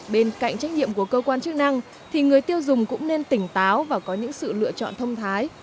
bên cạnh trách nhiệm của cơ quan chức năng thì người tiêu dùng cũng nên tỉnh táo và có những sự lựa chọn thông thái